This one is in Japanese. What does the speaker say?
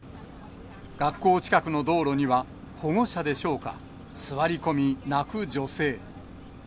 学校近くの道路には、保護者でしょうか、座り込み、泣く女性。